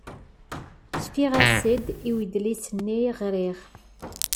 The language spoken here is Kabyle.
Cfiɣ-as-d i wedlis-nni i ɣṛiɣ.